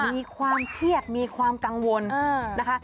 มีความเครียดมีความกังวลนะคะ